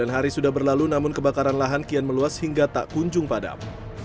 sembilan hari sudah berlalu namun kebakaran lahan kian meluas hingga tak kunjung padam